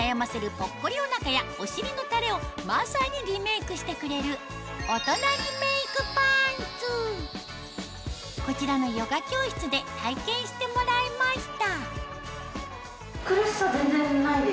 ぽっこりお腹やお尻の垂れをまさにリメイクしてくれるこちらのヨガ教室で体験してもらいました・